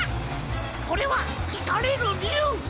これは「いかれるりゅう」！